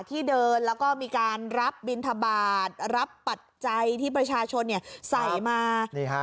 ที่เดินแล้วก็มีการรับบินทบาทรับปัจจัยที่ประชาชนเนี่ยใส่มานี่ฮะ